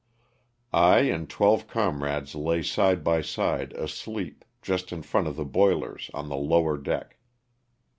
I and twelve comrades lay side by side asleep, just in front of the boilers, on the lower deck.